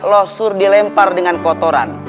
losur dilempar dengan kotoran